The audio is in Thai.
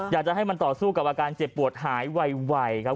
อยากจะให้มันต่อสู้กับอาการเจ็บปวดหายไวครับ